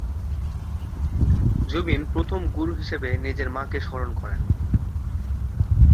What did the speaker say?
জুবিন প্রথম গুরু হিসাবে নিজের মাকে স্মরণ করেন।